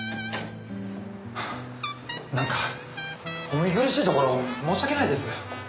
なんかお見苦しいところを申し訳ないです。